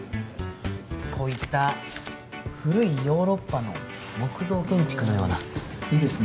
こういった古いヨーロッパの木造建築のようないいですね